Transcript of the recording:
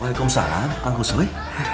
waalaikumsalam kang kusoy